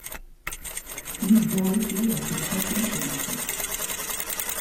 ils en étaient à se taper sur les cuisses.